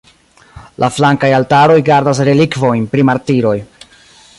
La flankaj altaroj gardas relikvojn pri martiroj.